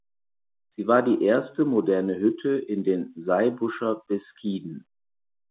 Sie war die erste moderne Hütte in den Saybuscher Beskiden.